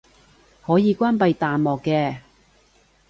可以關閉彈幕嘅